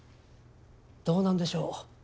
どうなんでしょう？